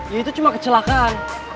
ya itu cuma kecelakaan